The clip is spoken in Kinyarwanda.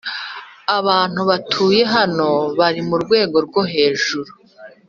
abantu batuye hano bari murwego rwo hejuru.